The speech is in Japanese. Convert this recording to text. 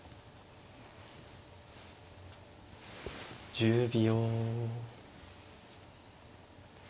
１０秒。